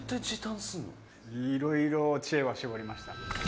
「いろいろ知恵は絞りました」